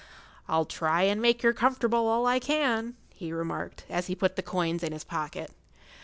"I'll try and make yer comfortable all I can," he remarked, as he put the coins in his pocket.